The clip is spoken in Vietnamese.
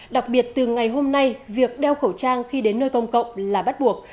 đặc biệt từ ngày hôm nay việc đeo khẩu trang khi đến nơi công cộng là bắt buộc